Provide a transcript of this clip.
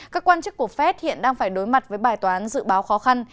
các quan chức của fed hiện đang phải đối mặt với bài toán dự báo khó khăn